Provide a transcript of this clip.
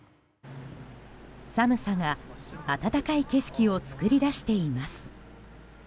寒さが暖かい景色を作り出しています。